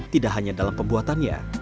tidak hanya dalam pembuatannya